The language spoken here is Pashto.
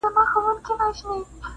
ضرورت نشته چې به یو او بل ته ګوته نیسو